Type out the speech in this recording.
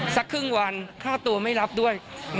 สักครึ่งวันค่าตัวไม่รับด้วย